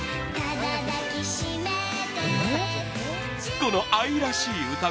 この愛らしい歌声